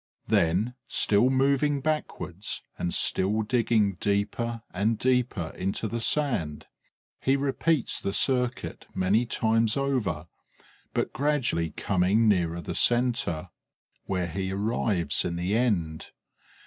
Then, still moving backwards and still digging deeper and deeper into the sand, he repeats the circuit many times over, but gradually coming nearer the centre, where he arrives in the end.